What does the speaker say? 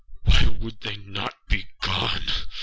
Why would they not be gone?